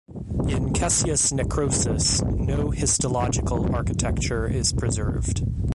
In caseous necrosis no histological architecture is preserved.